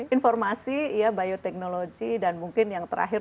informasi ya bioteknologi dan mungkin yang terakhir